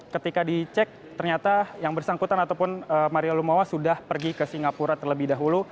ketika dicek ternyata yang bersangkutan ataupun maria lumawa sudah pergi ke singapura terlebih dahulu